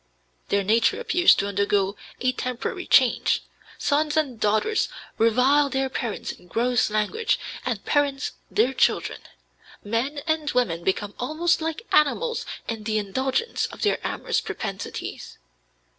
Their nature appears to undergo a temporary change. Sons and daughters revile their parents in gross language, and parents their children; men and women become almost like animals in the indulgence of their amorous propensities.